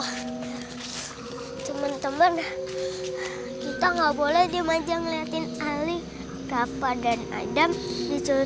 hai teman teman kita nggak boleh di manjang ngeliatin ali rafa dan adam dicuri